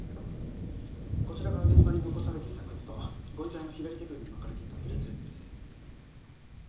こちらが現場に残されていた靴とご遺体の左手首に巻かれていたブレスレットです。